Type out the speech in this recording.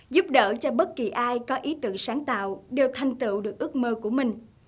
giúp đỡ cho bất kỳ ai có ý tưởng sáng tạo đều thành tựu được ước mơ của mình